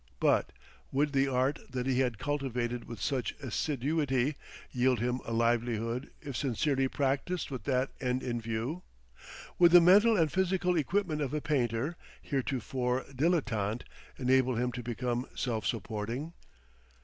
But would the art that he had cultivated with such assiduity, yield him a livelihood if sincerely practised with that end in view? Would the mental and physical equipment of a painter, heretofore dilettante, enable him to become self supporting?